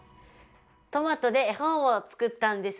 トマトで絵本を作ったんです。